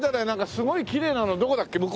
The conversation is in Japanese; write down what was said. なんかすごいきれいなのどこだっけ？